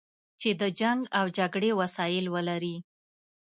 چې د جنګ او جګړې وسایل ولري.